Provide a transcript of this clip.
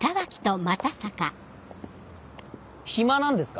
暇なんですか？